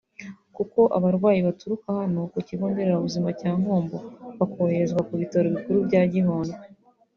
Koko abarwayi baturuka hano ku Kigo nderabuzima cya Nkombo bakoherezwa kubitaro bikuru bya Gihundwe